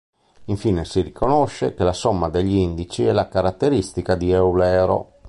Infine, si riconosce che la somma degli indici è la caratteristica di Eulero.